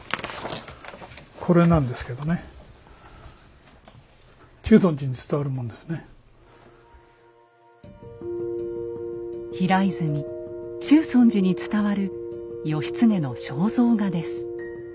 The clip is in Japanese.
これなんですけどね平泉中尊寺に伝わる義経の肖像画です。